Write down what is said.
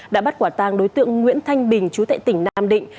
đã bắt quả tàng đối tượng nguyễn thanh bình chú tại tỉnh nam định